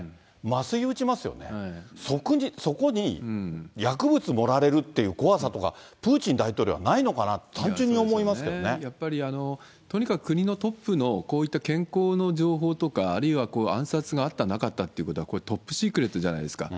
麻酔打ちますよね、そこに薬物盛られるっていう怖さとか、プーチン大統領はないのかなって、やっぱり、とにかく国のトップのこういった健康の情報とか、あるいは暗殺があった、なかったということはトップシークレットじゃないですか。